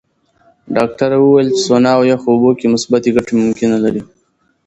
ډاکټره وویل چې سونا او یخو اوبو مثبتې ګټې ممکنه لري.